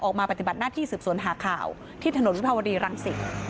ปฏิบัติหน้าที่สืบสวนหาข่าวที่ถนนวิภาวดีรังสิต